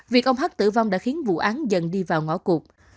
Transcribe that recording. việc ông hất tử vong đã khiến vụ án dần đi vào ngõ cuộc